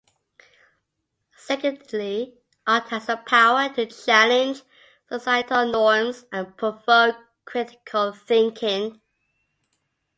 Secondly, art has the power to challenge societal norms and provoke critical thinking.